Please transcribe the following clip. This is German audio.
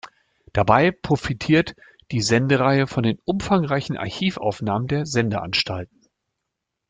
Dabei profitiert die Sendereihe von den umfangreichen Archivaufnahmen der Sendeanstalten.